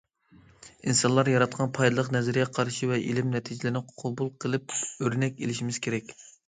ئىنسانلار ياراتقان پايدىلىق نەزەرىيە قارىشى ۋە ئىلىم نەتىجىلىرىنى قوبۇل قىلىپ ئۆرنەك ئېلىشىمىز كېرەك.